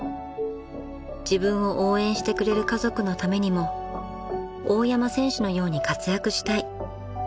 ［自分を応援してくれる家族のためにも大山選手のように活躍したい］